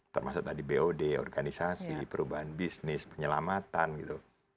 termasuk tadi bod organisasi perubahan bisnis penyelamatan gitu